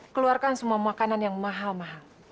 keluarkan semua makanan yang mahal mahal